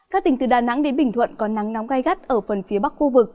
các tỉnh từ đà nẵng đến bình thuận có nắng nóng gai gắt ở phần phía bắc khu vực